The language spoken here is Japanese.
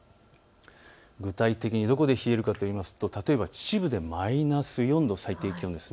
具体的にどこで冷えるかといいますと、例えば秩父でマイナス４度、最低気温です。